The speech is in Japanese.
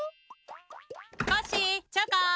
コッシーチョコン！